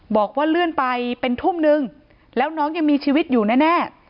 บอกว่าเลื่อนไปเป็นทุ่มนึงแล้วน้องยังมีชีวิตอยู่แน่